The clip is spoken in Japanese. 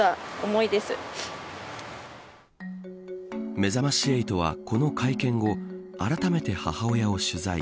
めざまし８は、この会見後あらためて母親を取材。